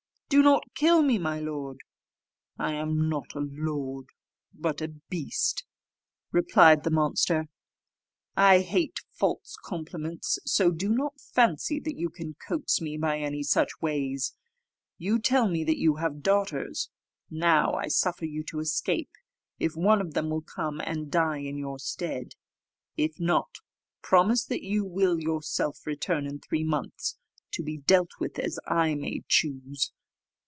Do not kill me, my lord!" "I am not a lord, but a beast," replied the monster; "I hate false compliments: so do not fancy that you can coax me by any such ways. You tell me that you have daughters; now I suffer you to escape, if one of them will come and die in your stead. If not, promise that you will yourself return in three months, to be dealt with as I may choose."